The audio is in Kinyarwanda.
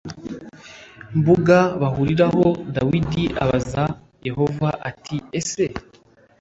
mbuga bahuriraho Dawidi abazag Yehova ati ese